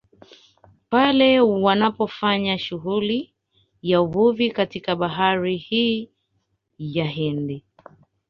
Pale wanapofanya shughuli ya uvuvi katika bahari hii ya Hindi